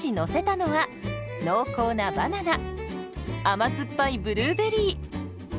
甘酸っぱいブルーベリー。